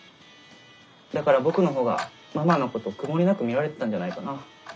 だから僕のほうがママのこと曇りなく見られてたんじゃないかな。